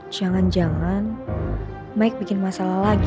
jangan jangan mike bikin masalah lagi